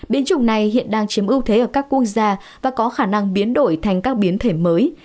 biến chủng này hiện đang chiếm ưu thế ở các quốc gia và có khả năng biến đổi thành các biến thể mới